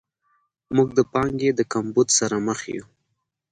موږ د پانګې د کمبود سره مخ یو.